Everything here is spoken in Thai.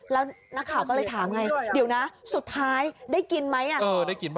แล้วนักข่าวก็เลยถามไงเดี๋ยวนะสุดท้ายได้กินไหม